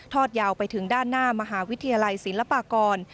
ยาวไปถึงด้านหน้ามหาวิทยาลัยศิลปากร